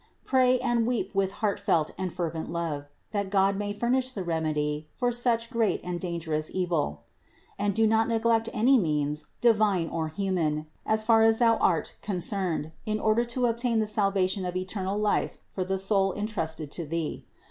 Pray and weep with heartfelt and fervent love, that God may furnish the remedy for such great and dangerous evil, and do not neglect any means, divine or human, as far as thou art concerned, in order to obtain the salvation of eternal life for the soul entrusted to thee.